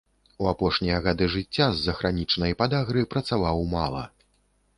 У апошнія гады жыцця з-за хранічнай падагры працаваў мала.